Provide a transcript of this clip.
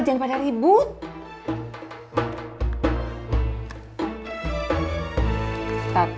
jangan pada ribut